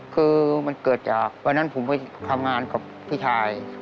คือมันเกิดจากวันนั้นผมไปทำงานกับพี่ชาย